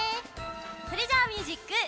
それじゃミュージックスタート！